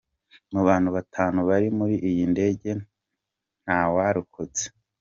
Mu bantu batanu bari muri iyi ndege ntawarokotse.”